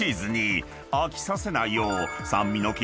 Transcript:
［飽きさせないよう］